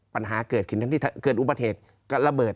ปัญหาเกิดขึ้นทั้งที่เกิดอุบัติเหตุระเบิด